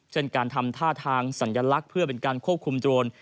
เช่นการทำท่าทางสัญลักษณ์เพื่อเป็นการควบคุมโดรน